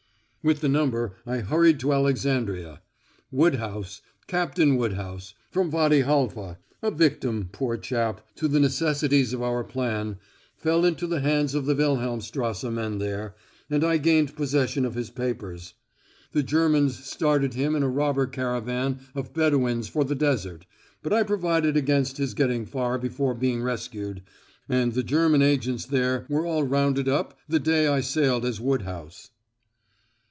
"With the number I hurried to Alexandria. Woodhouse Captain Woodhouse, from Wady Halfa a victim, poor chap, to the necessities of our plan, fell into the hands of the Wilhelmstrasse men there, and I gained possession of his papers. The Germans started him in a robber caravan of Bedouins for the desert, but I provided against his getting far before being rescued, and the German agents there were all rounded up the day I sailed as Woodhouse."